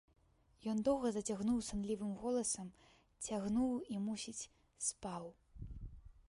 Ён доўга зацягнуў санлівым голасам, цягнуў і, мусіць, спаў.